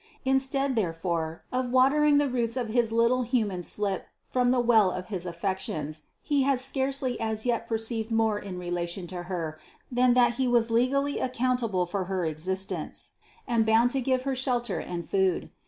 Instead, therefore, of watering the roots of his little human slip from the well of his affections, he had scarcely as yet perceived more in relation to her than that he was legally accountable for her existence, and bound to give her shelter and food.